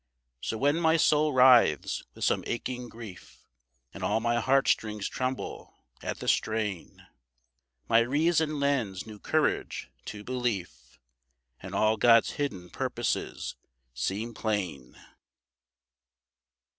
So when my soul writhes with some aching grief. And all my heart strings tremble at the strain, My Reason lends new courage to Belief, And all God's hidden purposes seem plain.